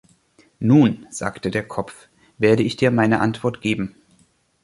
„Nun“, sagte der Kopf, „werde ich dir meine Antwort geben.“